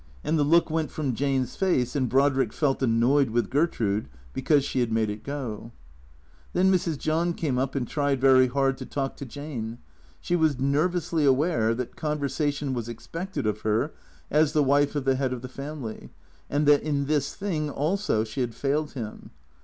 And the look went from Jane's face, and Brodrick felt annoyed with Gertrude because she had made it go. Then Mrs. John came up and tried very hard to talk to Jane. She was nervously aware that conversation was expected of her as the wife of the head of the family, and that in this thing also she had failed him.